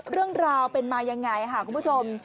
เรื่องราวเป็นมายังไงค่ะคุณผู้ชม